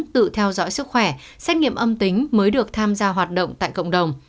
tự theo dõi sức khỏe xét nghiệm âm tính mới được tham gia hoạt động tại cộng đồng